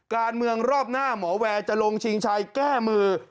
การเมืองรอบหน้าหมอแวร์จะลงชิงชัยแก้มือ